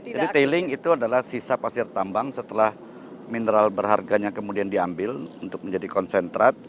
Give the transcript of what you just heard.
jadi tailing itu adalah sisa pasir tambang setelah mineral berharganya kemudian diambil untuk menjadi konsentrat